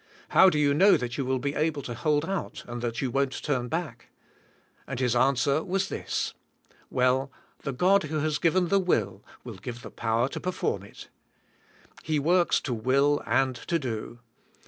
How do you know that you will be able to hold out and that you won't turn ]back? And his answer was this, Well, the God WIIvIyING AND DOING. 179 who has g"iven the will, will give the power to per form it. He works to will and to do.